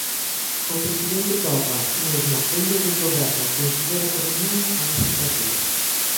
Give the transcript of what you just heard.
O presidente Torra mesmo, vendo o desgoberno, considera terminada a lexislatura.